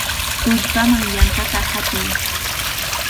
¡Tullpaman yantata hatiy!